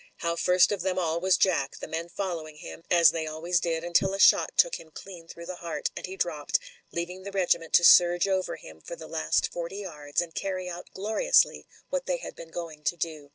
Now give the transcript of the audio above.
How first of them all was Jack, the men following him, as they always did, until a shot took him clean through the heart, and he dropped, leaving the regiment to surge over him for the last forty yards, and carry out gloriously what they had been going to do.